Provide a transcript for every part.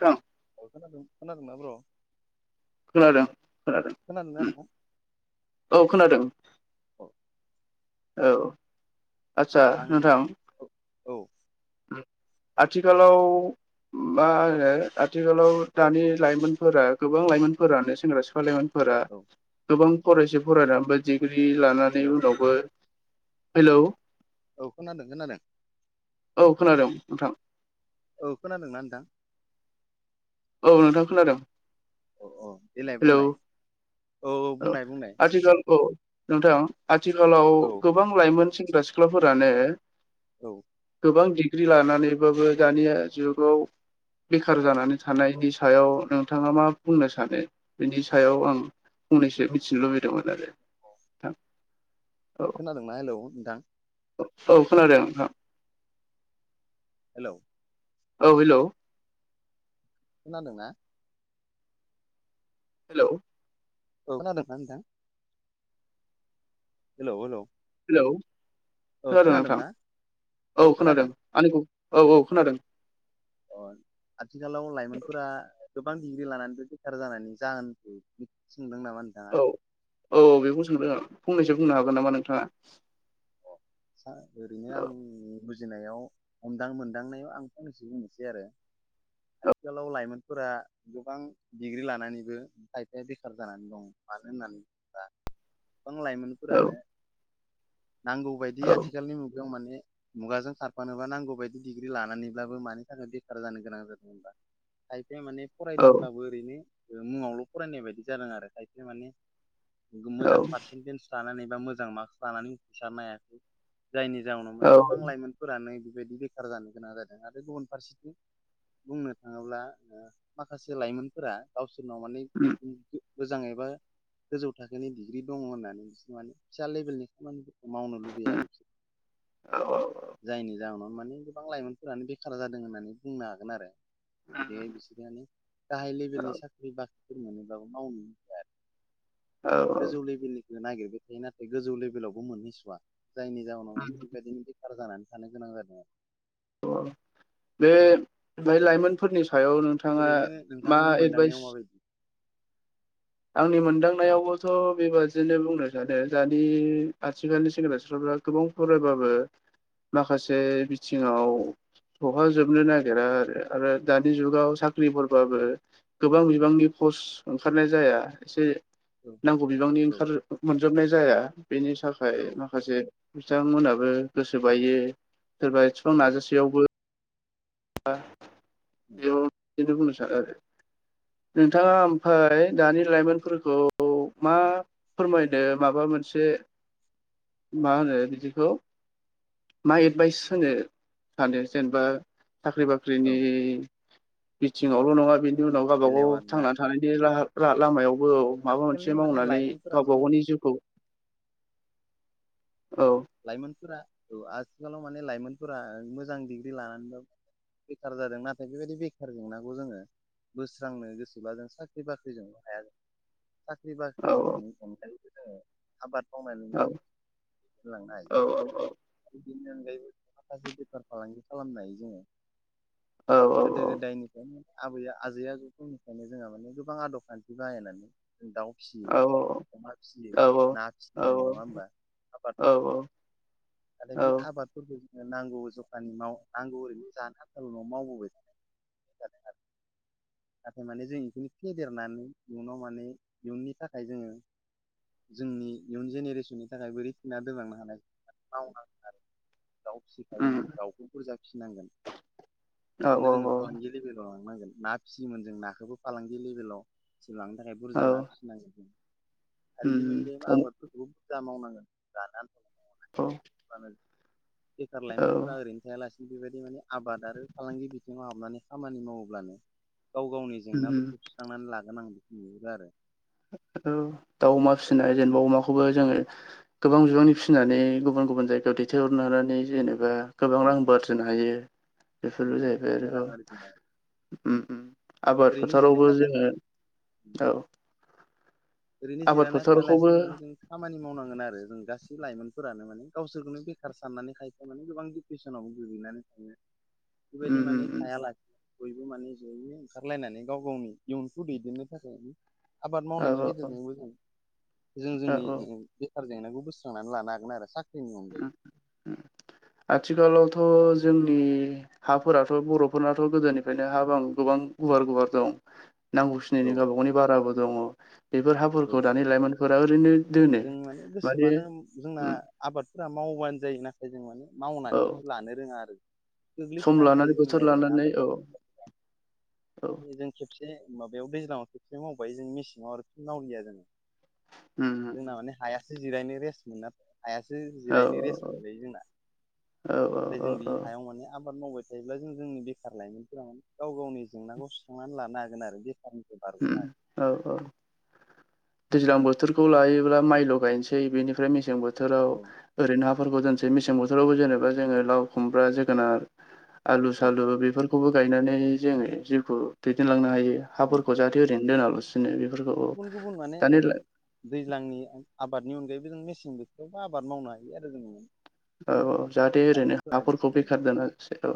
औ औ खोनादों खोनादोंना ब्र' खोनादों खोनादों खोनादोंना उम नोंथां औ खोनादों अ औ आचचसा अ आं नोंथां औ आथिखालाव मा होनो आथिखालाव दानि लाइमोनफोरा गोबां लाइमोनफोरानो सेंग्रा सिख्ला लाइमोन फोरा औ गोबां फरायसे फरायनानैबो डिग्रि लानानै हेलौ उनावबो हेलौ औ खोनादों खोनादों औ खोनादों नोंथां औ खोनादोंना नोंथां औ नोंथां खोनादों अ औ देलाय हेलौ बुंलाय औ आथिखाल औ नोंथां आथिखालाव औ गोबां लाइमोन सेंग्रा सिख्लाफोरानो औ गोबां डिग्रि लानानैबाबो दानिया जुगाव बेखार जानानै थानायनि सायाव नोंथाङा मा बुंनो सानो बेनि सायाव आं फंनैसो मिथिनो लुबैदोंमोन आरो नोंथां औ खोनादोंना हेलौ नोंथां औ खोनादों नोंथां हेल' औ हेल' खोनादोंना हेल' औ खोनादों ना नोंथां हेल' हेल' हेलौ खोनादों नोंथां औ खोनादों आंनिखौ औ औ खोनादों अ आथिखालाव लाइमोनफोरा गोबां डिग्रि लानानैबो बेखार जानायनि जाहोनखौ सोंदों नामा नोंथाङा औ औ बेखौ सोंदों आं फंनैसो बुंनो हागोन नामा नोंथाङा हा ओरैनो आं औ बुजिनायाव हमदां मोनदांनायाव आं फंनैसो बुंनोसै आरो आथिखालाव लाइमोनफोरा गोबां डिग्रि लानानैबो खायफाया बेखार जानानै दं मानो होननानै बुङोब्ला गोबां औ लाइमोनफोरानो नां औ आथिखालनि मुगायाव माने मुगाजों खारफानोबा नांगौ बायदि डिग्रि लानानैब्लाबो मानि थाखाय बेखार जानो गोनां जादों हमबा [inaudible] खायसे माने औ फरायदोंब्लाबो ओरैनो मुङावल' फरायनाय बायदि जादों आरो खायसे माने औ मोजां पारसेन्टेज लानानै बा मोजां मार्कस लानानै उथ्रिसारनो हायाखै जायनि जाउनाव माने औ गोबां लाइमोनफोरानो बेबायदि बेखार जानो गोनां जादों आरो गुबुन फारसेथिं बुंनो थाङोब्ला माखासे लाइमोनफोरा गावसोरनाव माने उम मोजां एबा गोजौ थाखोनि डिग्रि दङ होननानै बिसोर माने फिसा लेभेलनि खामानिफोरखौ मावनो लुबैयो औ जायनि जाहोनाव माने गोबां लाइमोनफोरानो बेखार जादों होननानै बुंनो हागोन आरो बे औ बिसोरनानो गाहाय औ लेभेलनि साख्रि बाख्रि सम मोनोब्लाबो मावनो गोसो जाया औ गोजौ लेभेलनिखौ नागिरबाय थायो नाथाय गोजौ लेभेलावबो मोनहैसवा जायनि जाउनाव माने बेबायदिनो बेखार जानानै थानो गोनां जादों [unintelligible] अ बे बे लाइमोनफोरनि सायाव नोंथाङा ओरैनो मा नोंथांनि मोनदांनायाव एडभाइस माबायदि आंनि मोनदांनायावबोथ' बेबादिनो बुंनो सानो दानि आथिखालनि सेंग्रा सिख्लाफ्रा गोबां फरायबाबो माखासे बिथिङाव सौहाजोबनो नागिरा आरो आरो दानि जुगाव साख्रिफोरबाबो गोबां बिबांनि पस ओंखारनाय जाया एसे औ नांगौ बिबांनि औ ओंखार मोनजोबनाय जाया बेनि थाखाय औ माखासे बिथांमोनाबो गोसो बायो सोरबा एथ'बां औ नाजासेयावबो बा [unintelligible] [unintelligible] बुंनो सानो आरो नोंथाङा ओमफ्राय दानि लाइमोनफोरखौ मा फोरमायदो माबा मोनसे मा होनो बिदिखौ मा एदभाइस होनो सानो जेनबा साख्रि बाख्रिनि औ बिथिङावल' नङा बेनि उनाव गावबा गाव बेलायाव आरोना थांना थानायनि लाहार [unintelligible] लामायावबो माबा आथिखालनि मोनसे माने मावनानै लाइमोनफोरा गावबा माने गावनि जिउखौ औ लाइमोनफोरा औ आथिखालाव माने लाइमोनफोरा मोजां डिग्रि लानानै बेखार जादों नाथाय बेबायदि बेखार जेंनाखौ जोङो बोस्रांनो गोसोबा जों साख्रि बाख्रिजोंल' हाया ख्रि औ बाख्रिनि अनगायैबो जोङो आबाद मावनानैबो औ औ औ बिनि अनगायैबो माखासे बेफार फालांगि खालामनो हायो जोङो औ गोदो गोदायनिफ्रायनो आबै आजै आजौफोरनिफ्रायनो जोंहा माने गोबां आदब खान्थि बाहायनानै दाउ औ फिसियो अमा औ फिसियो ना औ फिसियो जों नङा होमबा [unintelligible] औ आरो औ बे आबादखौ [unintelligible] नांगौ जखानि माव नांगौ ओरैनो जानो आनथाल' न'आव मावबोबाय [unintelligible] [unintelligible] नाथाय माने जों इखौनो फेदेरनानै इयुनाव माने इयुननि थाखाय जोङो जोंनि इयुन जेनेरेसननि थाखाय बोरै थिना दोनलांनो हानाय मावनांगोन आरो दाउ फिसिखायो उम दाउखौ बुरजा फिसिनांगोन औ बेखौनो जोङो औ फालांगि लेबेलाव ला [unintelligible] ना फिसियोमोन जों नाखोबो फालांगि लेबेलाव लांनो थाखाय औ बुरजा ना फिसिनांगोन जों आरो बिनि उम अनगायैबो आबादफोरखौ बुरजा औ मावनांगोन [unintelligible] [unintelligible] बेखार औ लाइमोनफोरा ओरैनो थायालासे बेबायदि माने आबाद आरो फालांगि बिथिङाव हाबनानै खामानि मावोब्लानो गाव गावनि उम जेंनाफोरखौ सुस्रांनानै लागोन आं बेखौ नुहुरो आरो औ दाउ अमा फिसिनाय जेनबा अमाखौबो जोङो गोबां बिबांनि फिसिनानै गुबुन गुबुन जायगायाव दैथायहरनो नानानै जेनेबा गोबां रांबो [unintelligible] हायो बेफोरबो जाहैबाय गोबां रां आरजिनो [unintelligible] उम उम आबाद ओरैनो फोथारावबो जिरायना जोङो औ ओरैनो आबाद जिरायना फोथारखौबो थायालासिनो माने जों खामानि मावनांगोन आरो जों गासै लाइमोनफोरानो माने गावसोरखौनो बेखार साननानै खायफा माने गोबां दिडप्रेसनावबो गोग्लैनानै थायो बेबायदि उम उम माने उम थाया ला बयबो माने जयैनो ओंखारलायनानै गाव गावनि इयुनखौ दैदेननो थाखाय आबाद औ मावनायनि औ औ गेजेरजोंबो जों औ जों-जोंनि औ [unintelligible] खार जेंनाखौ बोस्रांनानै लानो हागोन आरो साख्रिनि अनगायै उम थ' जोंनि हाफोराथ' बर'फोरनाथ' गोदोनिफायनो हा बां गोबां गुवार गुवार दं नांगौ खिनायनि औ गावबा गावनि बाराबो दङ' बेफोर औ हाफोरखौ दानि लाइमोनफोरा ओरैनो दोनो जों माने गोसोबानो जोंना उम आबादफोरा मावबानो जायो नाथाय जों माने औ मावनानैसो लानो रोङा आरो। सम गोग्लैसोनानै थायो लानानै जोंनि बोथोर ओरैनो लानानै आबाद औ औ जों खेबसे माबायाव दैज्लाङाव खेबसे मावबाय जों मेसेङाव आरो खि मावलिया जोङो उम उम जोंना माने हाया। जि जिरायनो रेस्ट मोना। हायासो औ जिरायनो रेस्ट मोनलायो जोंना औ नाथाय औ जों बे औ हायाव माने आब आबाद मावबाय थायोब्ला जों जोंनि बेखार लाइमोनफोरा माने गाव गावनि जेंनाखौ सुस्रांनानै लानो हागोन आरो बेखारनि ओम औ औ दैज्लां बोथोरखौ लायोब्ला माइल' गायनोसै बेनिफ्राय मेसें बोथोराव हागोन ओरैनो थरग जानसै मसें बोथोरावबो जेनेबा जोङो लाव खुमब्रा जोगोनार आलु औ सालु बेफोर खौबो गायनानै जोङो जिउखौ दैदेनलांनो हायो हाफोरखौ जाहाथे ओरैनो दोनालासिनो बेफोरखौ औ गुबुन गुबुन माने दानि ओ दैज्लांनि आब आबादनि अनगायैबो जों मेसें बोथोरावबो आबाद मावनो हायो आरो जों औ औ जाहाथे ओरैनो हाफोरखौ गैला बेखार दोनखि औ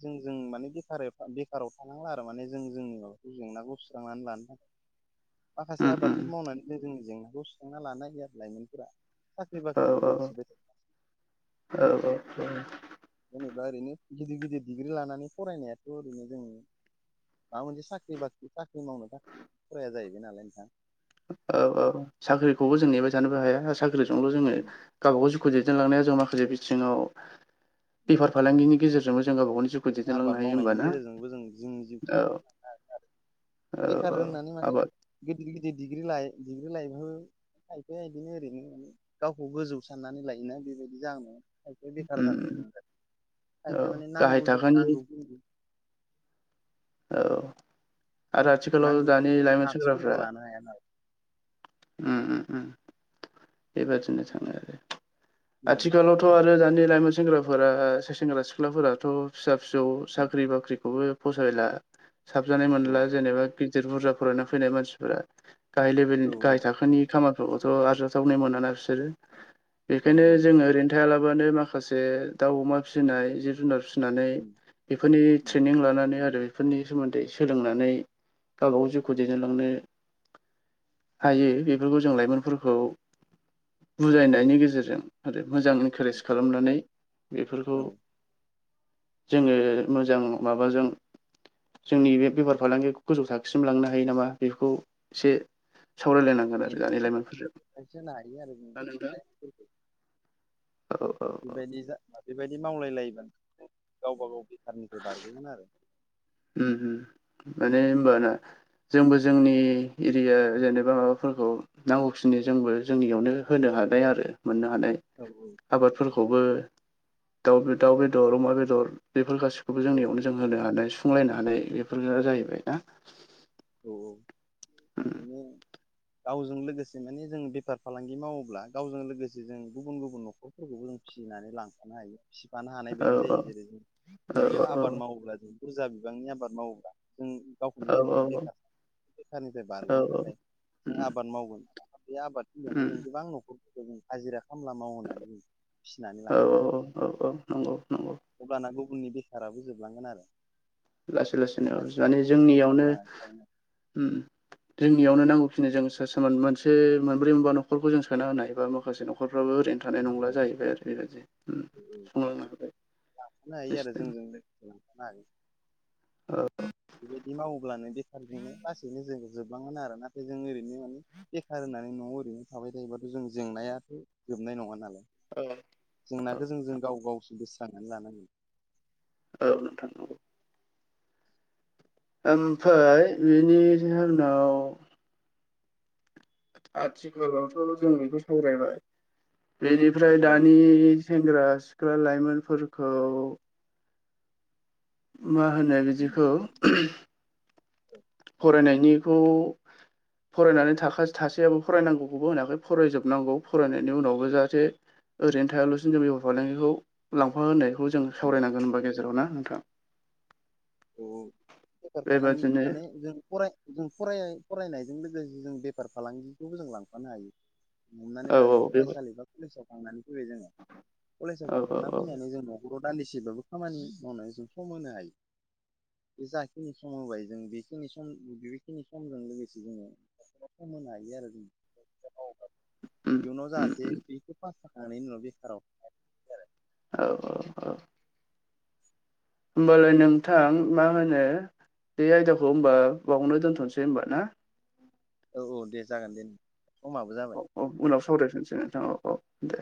जों जों माने बेफारे बेखाराव थानांला आरो माने जों जोंनि माबाखौ जेंनाखौ फ्रांनानै लानो थाखाय माखासे उम उम आबादफोर मावनानै जोंनि जेंनाखौ सुस्रांना लानो हायो आरो लाइमोनफोरा साख्रि औ बाख्रिखौल हुसुबाय [inaudible] बा [unintelligible] नेब्ला ओरैनो गिदिर गिदिर डिग्रि लानानै फरायनायाथ' ओरैनो जोंङ। माबा मोनसे साख्रि बाख्रि साख्रि मावनो थाखाय फराया जाहैबाय नालाय नोंथां औ औ साख्रिखौबो जों नेबाय जानोबो हाया साख्रिजोंल' जोङो गावा गाव ज खौ दैदेनलांनायाव जों माखासे बिथिङाव बेफार फालांगिनि गेजेरजोंबो जों गबा गावनि जिउखौ दैदेनलांनो आबाद हायो होमबा मावनायनि ना गेजेरजोंबो जों जिोंनि औ जिउखौ औ [unintelligible] बेखार औ होननानै माने आबाद गिदिर गिदिर डिग्रि लाय डिग्रि लायहो खायफाया बिदिनो ओरैनो मानि गावखौ गोजौ साननानै लायोना बेबायदि जाहोनाआव आखसे बेखार जानो उम गोनांार औ आख माने गाहाय नांगौ ज थाखोनि नांगौ [unintelligible] नों बेखौ माने लाइमोन सेंग्राफ्रा नार्सफोरखौ लानो हाया ना उम उम उम बेबायदिनो सालाय आथिखालावथ' आरो दानि लाइमोन सेंग्राफोरा से सेंग्रा सिख्लाफोराथ' फिसा फिसौ साख्रि बाख्रिखौबो फसायला साबजानाय औ मोनला जेनेबा दिर बुरजा फरायना फैनाय मानसिफोरा गाहाय लेभेल औ गाहाय थाखोनि खामानिफोरखौथ' थावनाय मोन ना बिसोरो बेखायनो औ जोङो ओरैनो थलाब बानो माखासे दाउ अमा फिसिनाय जिब जुनार फिसि नानै बेफोरनि ट्रेनिं लानानै आरो बेफोरनि सोमोन्दै सोलोंनानै गावबागाव जिउखौ दैदेनलांनो हायो बेफोरखौ जों लाइमोनफोरखौ बुजायनायनि गेजेरजों आरो। मोजां इनकारेज खालामनानै बेफोरखौ औ जोङो मोजां माबाजों जोंनि बे बेफार फालांगिखौ गोजौ थाखोसिम लांनो हायो नामा बेफोरखौ एसे जों सावरायलायनांगोन आरो एडभाइस दानि लाइमोनफोरजों। एडभाइस होनो हायो आरो जों ना नोंथां [inaudible] खौ औ औ बेबायदि जा बेबायदि मावलायलायोबानो गावबा गाव बेखारनिफ्राय बारग'गोन आरो। उम हु माने हबाना जोंबो जोंनि एरिया जेनेबा माबाफोरखौ नांगौखिनि जोंबो जोंनियावनो होदों। हादाय आरो मोननो हानाय औ आबादफोरखौबो दा दाउ बेदर अमा बेदर बे बेफोर गाैखौबो औ जोंनियावनो जों होनो हानाय सुफुंलायनो हानाय बेफोर जाहैबाय ना। औ औ उम [unintelligible] गावजों लोगोसे माने जों बेफार फालांगि मावोब्ला गावजों लोगोसे जों गुबुन गुबुन न'खरफोरखौबो जों फिसियो फिनानै लांफानो हायो। सिफानो हानाय औ बायदि औ जायो जेरै जों औ दुब्लियाव आबाद मावोब्ला जों बुरजा बिबांनि आबाद मावोब्ला जों गावखौनो बे औ बेखार बेखारनिफ्राय औ बारग'नो औ थाखाय जों उम आबाद मावगोन। बे आबाद थिलियावाव उम जों गोबां न'खरफोरखौ जों हाजिरा खामला मावनानै फिसिनानै औ लाखिनो हायो औ औ औ नंगौ नंगौ अब्ला नांगौ उननि बेखाराबो जोबलांगोन आरो। लासै लासैनो माने खायफायाबो बेखार जोंनियावनो जानानै थायो उम जों नियाव नांगौ खिनि जों सोर मोनसे मोनब्रै मोनबा न'खरखौ जों सोना होनानाय एबा माखासे नख'रफ्राबो ओरैनो थानाय नंला औ जाहैबाय आरो बेबायदि उम संलांनो हाबाय। लांफानो हायो आरो सिस्टेम जोंजों लांफानो हायो। औ। बेबायदि मावोब्लानो बेखारजोंनो लासैनो जों जोबलांगोन आरोना जों ओरैनो माने बेखार होननानै न'आव ओरैनो थाबाय थायोबाथ' जों जेंनायाथ' जोबनाय नङा नालाय। औ जेंनाखौ जों जों गाव गावसो बोस्रांनानै लानांगोन। औ नोंथां। ओमफ्राय बिनि उनाव आथिखालावथ' जों बेखौ सावरायबाय बेनिफ्राय औ दानि सेंग्रा सिख्ला लाइमोनफोरखौ मा होनो बिदिखौ फरायनायनिखौ फरायनानै थाख थासेयाबो फरायनांगौखौबो होनाखै फरायजोबनांगौ फरायनायनि उनावबो जाहाथे ओरैनो थायालासे जों बेफार फालांगिखौ लांफा होनायखौ जों सावरायनांगोन होनबा गेजेराव ना? था औ बेफार फालांगि माने जों फराय जों फराय फरायनाय जों बेफार फालांगिखौबो जों लांफानो हायो हमनानै औ ला जों औ बे फरायसालि बा कलेजाव थांनानै फैबाय जोङो कलेजाव औ औ थांखांना औ फैनानै जों दा राव दान्दिसेबाबो खामानि मावनो जों सम होनो हायो। बे जाखिनि सम होबाय जों बेखिनि सम बेखिनि समजों लोगोसे जोङो खम होनो हायो आरो जों उम इयुनाव उम जाहाथे बेखौ फास जाखांनायनि उनाव बेखाराव था आरो औ औ औ। होमबालाय नोंथां मा होनो बे आयदाखौ होनबा बावनो दोन्थ'नोसै होनबा ना? औ औ दे जागोन दे। समाबो जाबाय औ औ उनाव सावरायफिनसै नोंथां औ औ दे।